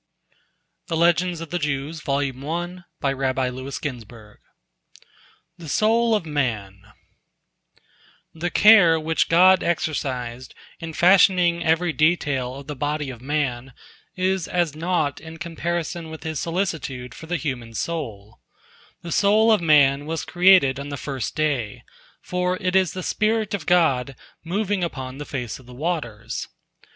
" THE SOUL OF MAN The care which God exercised in fashioning every detail of the body of man is as naught in comparison with His solicitude for the human soul. The soul of man was created on the first day, for it is the spirit of God moving upon the face of the waters.